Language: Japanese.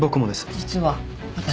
実は私も。